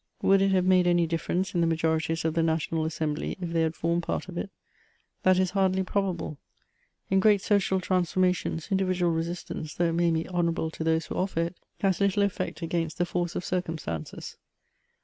Would it have made any difference in the majorities of the National Assembly if they had formed part of it ? That is hardly probable ; in great social transformations, individual resistance, though it may be honour able to those who offer it, has little effect against the force of circumstances.